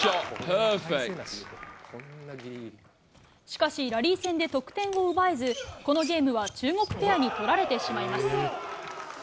しかし、ラリー戦で得点を奪えず、このゲームは中国ペアに取られてしまいます。